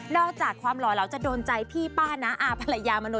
อกจากความหล่อเหลาจะโดนใจพี่ป้าน้าอาภรรยามนุษ